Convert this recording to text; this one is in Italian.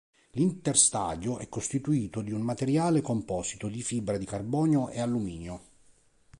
L'interstadio è costituito di un materiale composito di fibra di carbonio e alluminio.